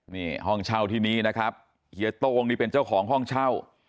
นี่ห้องเช่าที่นี้นะครับเฮียโต้งนี่เป็นเจ้าของห้องเช่า